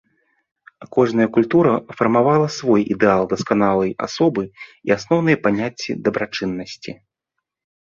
Кожная культура фармавала свой ідэал дасканалай асобы і асноўныя паняцці дабрачыннасці.